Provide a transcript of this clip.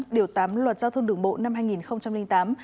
điều tám luật giao thông đường bộ năm hai nghìn tám